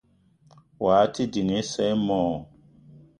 Wao te ding isa i mo?